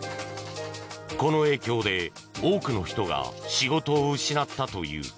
この影響で多くの人が仕事を失ったという。